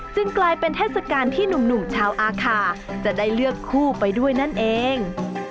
กลายเป็นเทศกาลที่หนุ่มชาวอาคาจะได้เลือกคู่ไปด้วยนั่นเอง